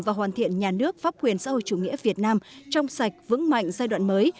và hoàn thiện nhà nước pháp quyền xã hội chủ nghĩa việt nam trong sạch vững mạnh giai đoạn mới